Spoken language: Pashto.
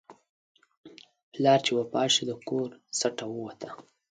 پلار چې وفات شو، د کور سټه ووته.